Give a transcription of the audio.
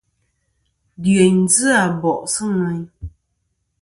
Dyèyn ji Abòʼ sɨ̂ ŋweyn.